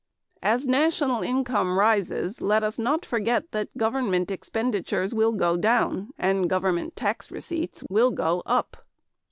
As national income rises, "let us not forget that government expenditures will go down and government tax receipts will go up."